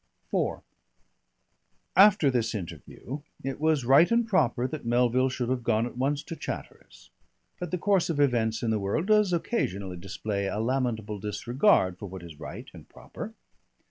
IV After this interview it was right and proper that Melville should have gone at once to Chatteris, but the course of events in the world does occasionally display a lamentable disregard for what is right and proper.